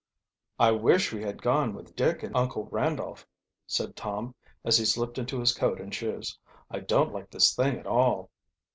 "I wish we had gone with Dick and Uncle Randolph," said Tom, as he slipped into his coat and shoes. "I don't like this thing at all."